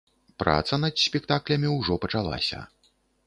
Праца над спектаклямі ўжо пачалася.